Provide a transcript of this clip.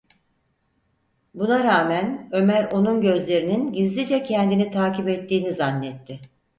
Buna rağmen, Ömer onun gözlerinin gizlice kendini takip ettiğini zannetti.